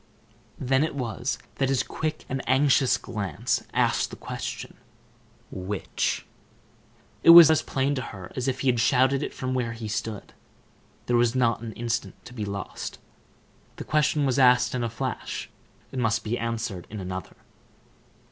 Then it was that his quick and anxious glance asked the question: "Which?" It was as plain to her as if he shouted it from where he stood. There was not an instant to be lost. The question was asked in a flash; it must be answered in another.